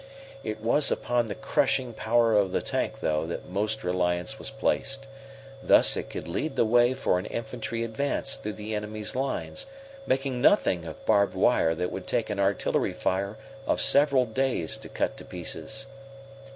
It was upon the crushing power of the tank, though, that most reliance was placed. Thus it could lead the way for an infantry advance through the enemy's lines, making nothing of barbed wire that would take an artillery fire of several days to cut to pieces.